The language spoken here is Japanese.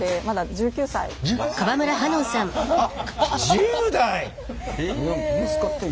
１０代！？